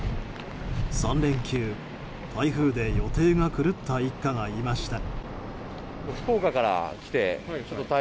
３連休、台風で予定が狂った一家がいました。